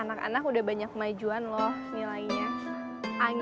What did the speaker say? anak anak udah banyak kemajuan loh nilainya